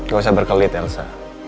gak usah berkelit elsa